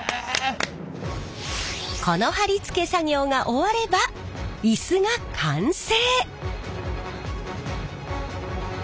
この張り付け作業が終わればイスが完成。